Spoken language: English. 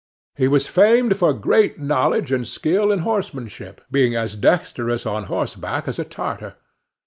He was famed for great knowledge and skill in horsemanship, being as dexterous on horseback as a Tartar.